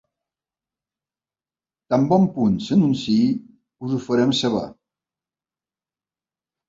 Tan bon punt s’anunciï, us ho farem saber.